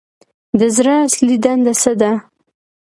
د زړه اصلي دنده څه ده